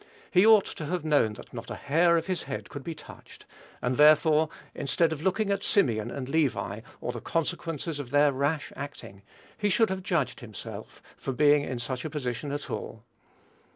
He ought to have known that not a hair of his head could be touched, and therefore, instead of looking at Simeon and Levi, or the consequences of their rash acting, he should have judged himself for being in such a position at all.